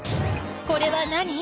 これは何？